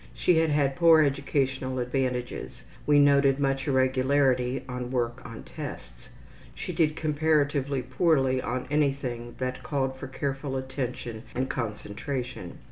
She had had poor educational advantages. We noted much irregularity on work on tests. She did comparatively poorly on anything that called for careful attention and concentration.